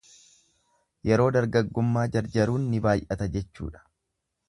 Yeroo dargaggummaa jarjaruun ni baay'ata jechuudha.